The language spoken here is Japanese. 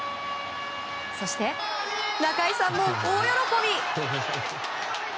そして中居さんも大喜び！